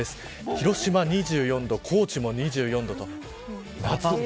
広島は２４度、高知も２４度。